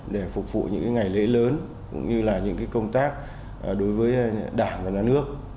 để phục vụ những ngày lễ lớn cũng như là những công tác đối với đảng và nhà nước